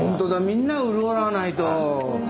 みんなが潤わないと。